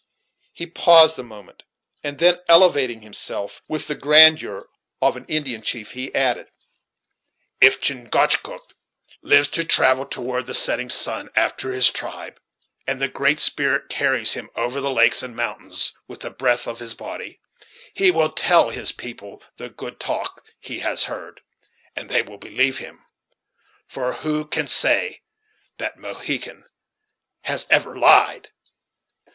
He paused a moment, and then, elevating himself with the grandeur of an Indian chief, he added: "If Chingachgook lives to travel toward the setting sun, after his tribe, and the Great Spirit carries him over the lakes and mountains with the breath of his body, he will tell his people the good talk he has heard; and they will believe him; for who can say that Mohegan has ever lied?"